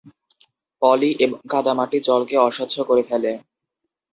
পলি এবং কাদামাটি জলকে অস্বচ্ছ করে ফেলে।